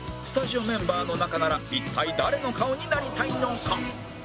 スタジオメンバーの中なら一体誰の顔になりたいのか？